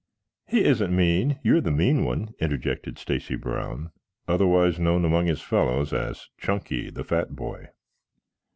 "He isn't mean. You're the mean one," interjected Stacy Brown, otherwise known among his fellows as Chunky, the Fat Boy.